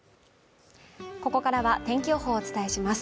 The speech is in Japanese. ここからは天気予報をお伝えします